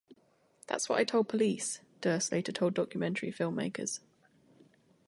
"That's what I told police," Durst later told documentary filmmakers.